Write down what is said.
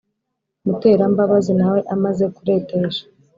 Muterambabazi nawe amaze kuretesha